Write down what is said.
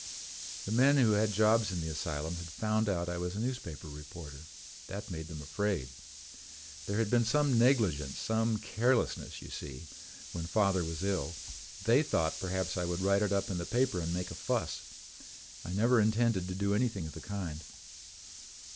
"The men who had jobs in the asylum had found out I was a newspaper reporter. That made them afraid. There had been some negligence, some carelessness, you see, when father was ill. They thought perhaps I would write it up in the paper and make a fuss. I never intended to do anything of the kind.